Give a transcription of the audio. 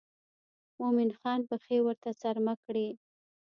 مومن خان پښې ورته څرمه کړې.